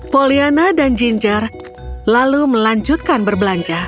poliana dan ginger lalu melanjutkan berbelanja